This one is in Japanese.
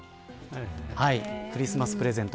クリスマスプレゼント